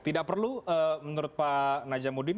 tidak perlu menurut pak najamuddin